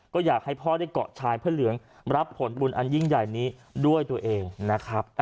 ก็อยากให้พ่อได้เกาะชายพระเหลืองรับผลบุญอันยิ่งใหญ่นี้ด้วยตัวเองนะครับ